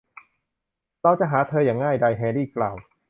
เราจะหาเธออย่างง่ายดาย แฮร์รี่กล่าว